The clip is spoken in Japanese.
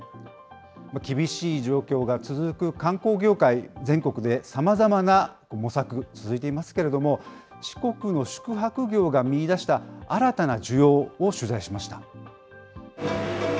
厳しい状況が続く観光業界、全国でさまざまな模索、続いていますけれども、四国の宿泊業が見いだした新たな需要を取材しました。